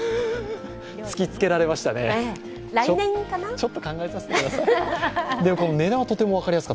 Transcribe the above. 突きつけられましたね、ちょっと考えさせてください。